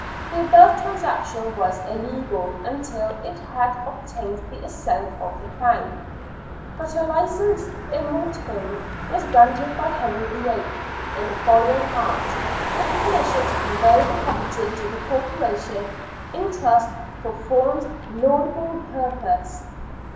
The above transaction was illegal until it had obtained the assent of the Crown, but a licence in mortmain was granted by Henry VIII. in the following March, with permission to convey the property to the Corporation, in trust for Thome's " laudable purpose."